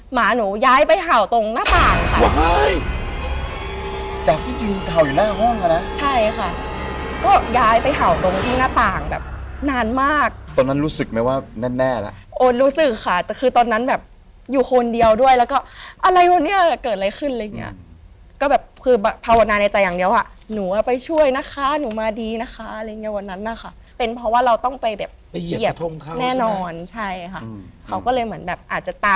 หมาหนูย้ายไปเห่าตรงหน้าต่างค่ะ